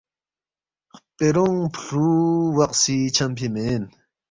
خپرونگ فلووخسی چھمفی مین